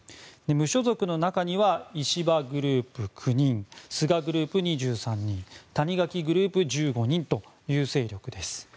無所属の中には石破グループ９人菅グループ２３人谷垣グループ１５人という勢力です。